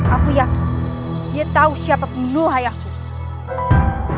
aku yakin dia tahu siapa pembunuh ayahku